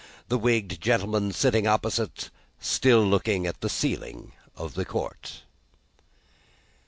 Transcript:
The wigged gentleman sitting opposite, still looking at the ceiling of the court.